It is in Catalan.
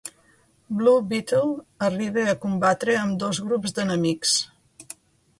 Blue Beetle arriba a combatre ambdós grups d'enemics.